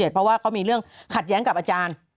เพราะว่าเขามีเรื่องขัดแย้งกับอาจารย์